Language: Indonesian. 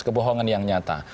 kebohongan yang nyata